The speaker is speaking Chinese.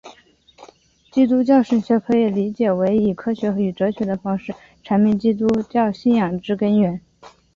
基督教神学可以理解为以科学与哲学的方式阐明基督教信仰之根源。